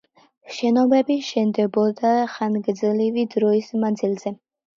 შენობები შენდებოდა ხანგრძლივი დროის მანძილზე.